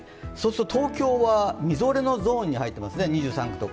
東京はみぞれのゾーンに入っていますね、２３区とか。